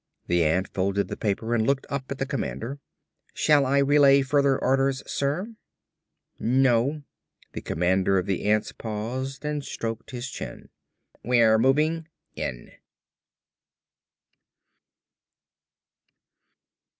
The ant folded the paper and looked up at the commander. "Shall I relay further orders, sir?" "No." The commander of the ants paused and stroked his chin. "We're moving in."